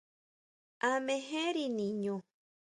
¿A mejeri niñu?